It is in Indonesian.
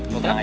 lo tenang aja